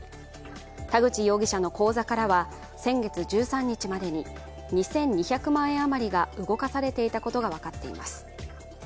田口容疑者の口座からは先月１３日までに２２００万円余りが動かされていたことが分かっています。